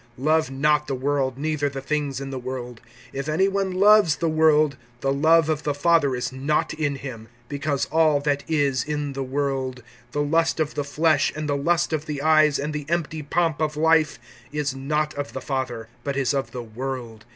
(15)Love not the world, neither the things in the world. If any one loves the world, the love of the Father is not in him. (16)Because all that is in the world, the lust of the flesh, and the lust of the eyes, and the empty pomp of life, is not of the Father, but is of the world.